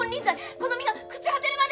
この身が朽ち果てるまで！